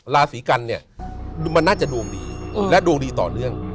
ราศีกันเนี่ยมันน่าจะดวงดีและดวงดีต่อเนื่อง